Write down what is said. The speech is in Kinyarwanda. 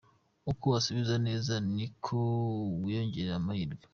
Uko usubiza neza niko wiyongerera amahirwe.